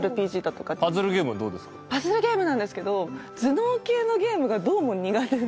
パズルゲームなんですけど頭脳系のゲームがどうも苦手で。